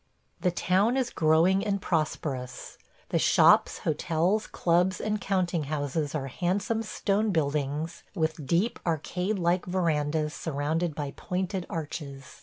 ... The town is growing and prosperous. The shops, hotels, clubs, and counting houses are handsome stone buildings with deep arcade like verandas surrounded by pointed arches.